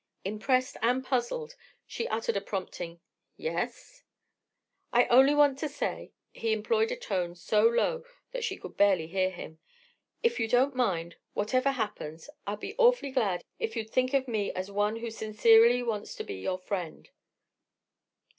Impressed and puzzled, she uttered a prompting "Yes?" "I only want to say"—he employed a tone so low that she could barely hear him—"if you don't mind—whatever happens—I'd be awf'ly glad if you'd think of me as one who sincerely wants to be your friend."